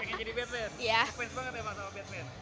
pengen banget ya sama batman